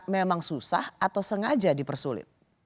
memang susah atau sengaja dipersulit